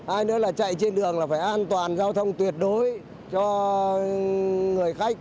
hai nữa là chạy trên đường là phải an toàn giao thông tuyệt đối cho người khách